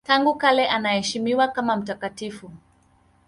Tangu kale anaheshimiwa kama mtakatifu.